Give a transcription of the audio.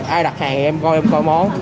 ai đặt hàng thì em coi em coi món